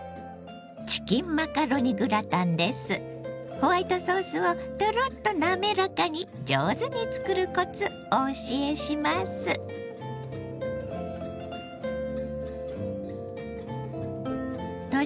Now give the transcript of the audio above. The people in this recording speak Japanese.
ホワイトソースをトロッと滑らかに上手に作るコツお教えします。